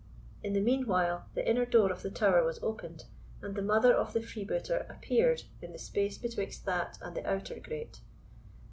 In the meanwhile, the inner door of the tower was opened, and the mother of the freebooter appeared in the space betwixt that and the outer grate.